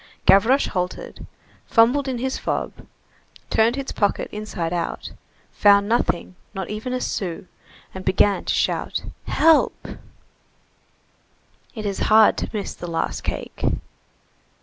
Gavroche halted, fumbled in his fob, turned his pocket inside out, found nothing, not even a sou, and began to shout: "Help!" It is hard to miss the last cake.